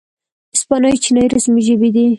اسپانوي او چینایي رسمي ژبې دي.